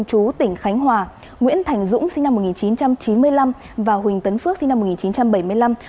chú tỉnh khánh hòa nguyễn thành dũng sinh năm một nghìn chín trăm chín mươi năm và huỳnh tấn phước sinh năm một nghìn chín trăm bảy mươi năm